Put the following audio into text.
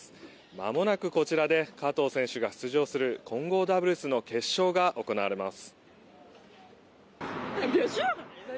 まもなく、こちらで加藤選手が出場する混合ダブルスの決勝が行われます。